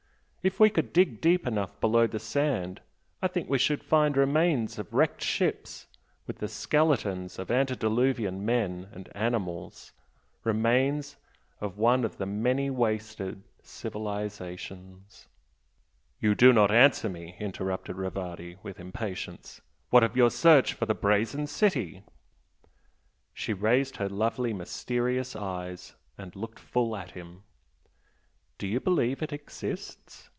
If we could dig deep enough below the sand I think we should find remains of wrecked ships, with the skeletons of antediluvian men and animals, remains of one of the many wasted civilisations " "You do not answer me " interrupted Rivardi with impatience "What of your search for the Brazen City?" She raised her lovely, mysterious eyes and looked full at him. "Do you believe it exists?"